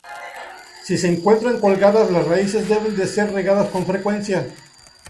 Si se encuentran colgadas las raíces deben ser regadas con frecuencia.